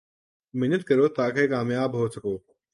محنت کرو تا کہ کامیاب ہو سکو